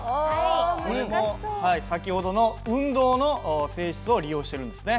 これも先ほどの運動の性質を利用してるんですね。